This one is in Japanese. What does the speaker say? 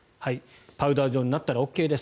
パウダー状になったらＯＫです。